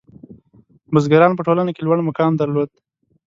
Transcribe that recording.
• بزګران په ټولنه کې لوړ مقام درلود.